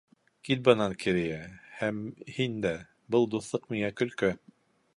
Кит бынан, Керея, һәм һин дә, Был дуҫлыҡ миңә көлкө.